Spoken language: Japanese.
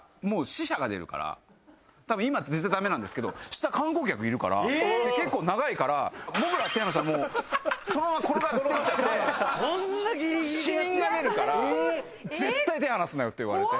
多分今絶対ダメなんですけど下観光客いるからで結構長いから僕らが手離したらもうそのまま転がっていっちゃって死人が出るから絶対手ぇ離すなよって言われて。